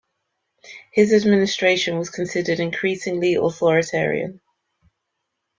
His administration was considered increasingly authoritarian.